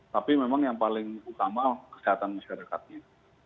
tapi memang yang paling utama kesehatan masyarakatnya